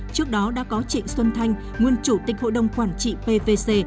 trước đó đã có trịnh xuân thanh nguyên chủ tịch hội đồng quản trị pvc